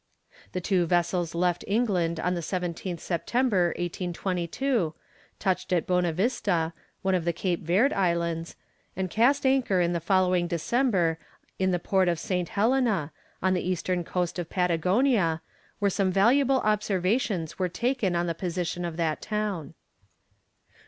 The two vessels left England on the 17th September, 1822, touched at Bonavista, one of the Cape Verd Islands, and cast anchor in the following December in the port of St. Helena, on the eastern coast of Patagonia, where some valuable observations were taken on the position of that town.